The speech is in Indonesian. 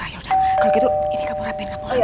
ya yaudah kalau gitu ini kamu rapiin